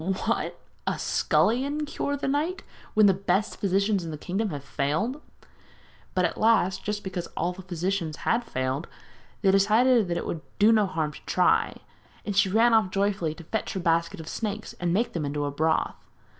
'What! a scullion cure the knight when the best physicians in the kingdom have failed?' But at last, just because all the physicians had failed, they decided that it would do no harm to try; and she ran off joyfully to fetch her basket of snakes and make them into broth.